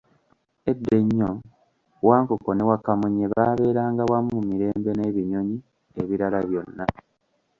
Edda ennyo, Wankoko ne Wakamunye baabeeranga wamu mirembe n'ebinyonyi ebirala byonna.